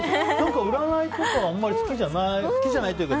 占いとかあんまり好きじゃないというか。